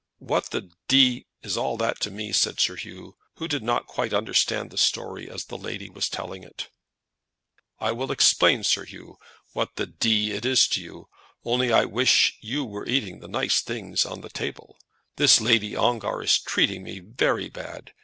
"What the d is all that to me?" said Sir Hugh, who did not quite understand the story as the lady was telling it. "I will explain, Sir 'Oo, what the d it is to you; only I wish you were eating the nice things on the table. This Lady Ongar is treating me very bad.